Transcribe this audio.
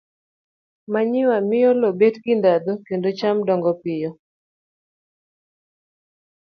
Manyiwa miyo lowo bet gi ndhadhu kendo cham dongo piyo.